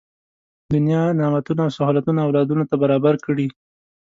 دنیا نعمتونه او سهولتونه اولادونو ته برابر کړي.